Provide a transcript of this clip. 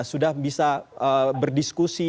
sudah bisa berdiskusi